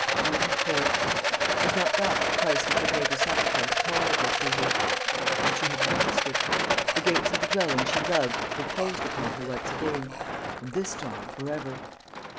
Arden Court was not that the price which had made her sacrifice tolerable to her? And she had lost it; the gates of the dwelling she loved were closed upon her once again and this time for ever.